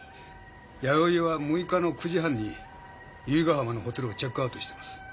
弥生は６日の９時半に由比ヶ浜のホテルをチェックアウトしてます。